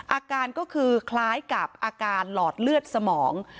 อาการก็คือคล้ายกับอาการหลอดเลือดสมอง